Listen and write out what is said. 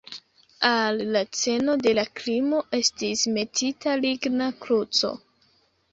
Al la sceno de la krimo estis metita ligna kruco.